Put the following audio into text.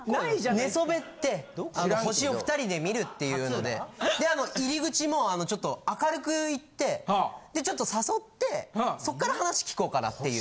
寝そべってあの星を２人で見るっていうので入口もちょっと明るくいってちょっと誘ってそっから話聞こうかなっていう。